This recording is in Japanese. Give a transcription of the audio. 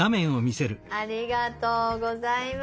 ありがとうございます。